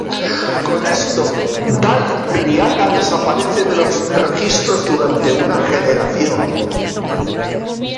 Con esto, Dál Riata desaparece de los registros durante una generación.